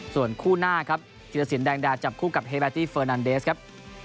ส่วนคู่หน้าครับธิรสินแดงดาจับคู่กับเฮเบตี้เฟอร์นันเดสครับ